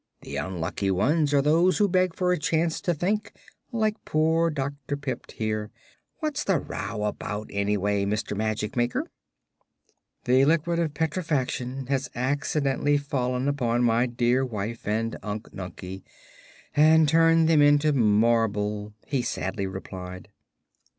The unlucky ones are those who beg for a chance to think, like poor Dr. Pipt here. What's the row about, anyway, Mr. Magic maker?" "The Liquid of Petrifaction has accidentally fallen upon my dear wife and Unc Nunkie and turned them into marble," he sadly replied.